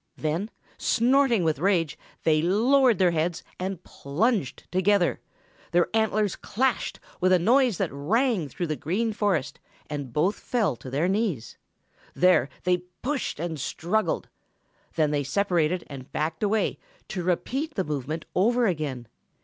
Then, snorting with rage, they lowered their heads and plunged together. Their antlers clashed with a noise that rang through the Green Forest, and both fell to their knees. There they pushed and struggled. Then they separated and backed away, to repeat the movement over again.